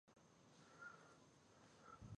سلیمان غر د افغانستان د طبیعت برخه ده.